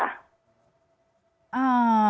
อ่า